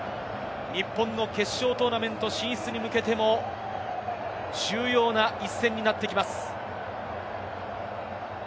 日本の決勝トーナメント進出に向けても重要な一戦になってきます。